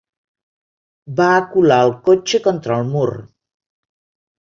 Va acular el cotxe contra el mur.